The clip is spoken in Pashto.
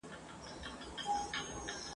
ما مي له پښتو سره پېیلې د نصیب ژبه ..